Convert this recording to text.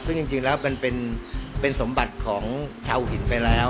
ซึ่งจริงแล้วมันเป็นสมบัติของชาวหินไปแล้ว